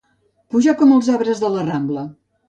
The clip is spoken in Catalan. Pujar com els arbres de la Rambla.